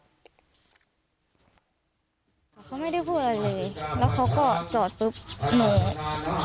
แต่เขาไม่ได้พูดอะไรเลยแล้วเขาก็จอดปุ๊บหนู